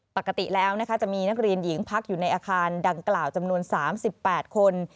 ปกติแล้วนะคะจะมีนักเรียนหญิงพักอยู่ในอาคารดังกล่าวจำนวน๓๘คน